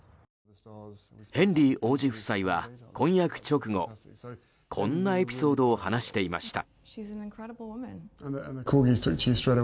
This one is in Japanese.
ヘンリー王子夫妻は婚約直後こんなエピソードを話していました。